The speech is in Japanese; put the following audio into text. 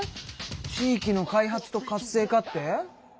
地域の開発と活性化って？